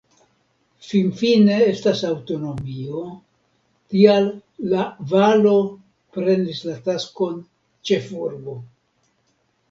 Finfine estas aŭtonomio, tial La-Valo prenis la taskon ĉefurbo.